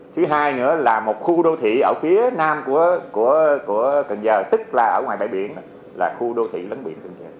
thứ hai nữa là một khu đô thị ở phía nam của cần giờ tức là ở ngoài bãi biển là khu đô thị lấn biển cần giờ